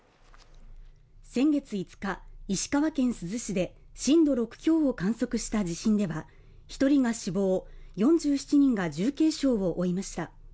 先月５日、石川県珠洲市で震度６強を観測した地震では１人が死亡、４７人が重軽傷を負いました。